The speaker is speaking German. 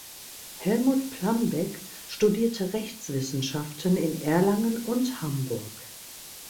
Helmut Plambeck studierte Rechtswissenschaften in Erlangen und Hamburg.